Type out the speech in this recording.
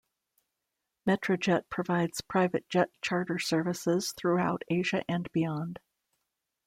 Metrojet provides private jet charter services throughout Asia and beyond.